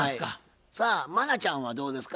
さあ茉奈ちゃんはどうですか？